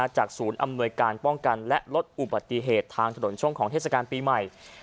ศูนย์อำนวยการป้องกันและลดอุบัติเหตุทางถนนช่วงของเทศกาลปีใหม่